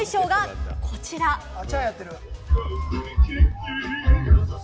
その衣装がこちら。